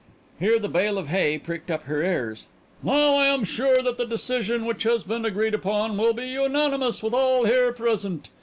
Here the bale of hay pricked up her ears. "Now I am sure that the decision which has been agreed upon will be unanimous with all here present.